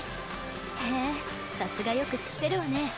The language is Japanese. へえさすがよく知ってるわね。